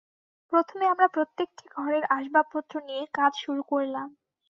প্রথমে আমরা প্রত্যেকটি ঘরের আসবাব নিয়ে কাজ শুরু করলাম।